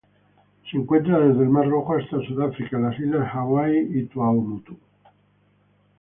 Se encuentra desde el Mar Rojo hasta Sudáfrica, las Islas Hawaii y Tuamotu.